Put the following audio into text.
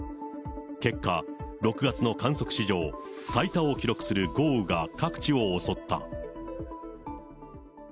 結果、６月の観測史上最多を記録する豪雨が各地を襲った。